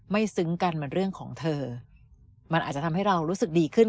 ซึ้งกันมันเรื่องของเธอมันอาจจะทำให้เรารู้สึกดีขึ้น